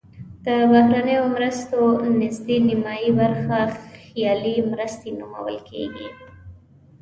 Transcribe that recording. د بهرنیو مرستو نزدې نیمایي برخه خیالي مرستې نومول کیږي.